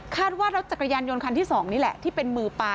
ว่ารถจักรยานยนต์คันที่๒นี่แหละที่เป็นมือปลา